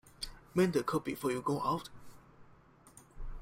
Mend the coat before you go out.